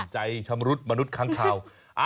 ใจชำรุดมนุษย์ครั้งคราว